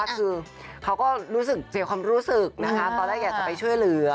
เขาก็เสียความรู้สึกตอนนั้นอยากไปช่วยเหลือ